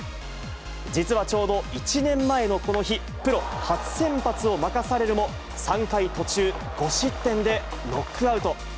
実はちょうど１年前のこの日、プロ初先発を任されるも、３回途中５失点でノックアウト。